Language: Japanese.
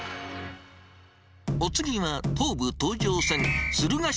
お次は、東武東上線つるが